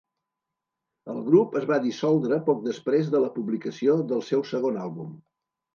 El grup es va dissoldre poc després de la publicació del seu segon àlbum.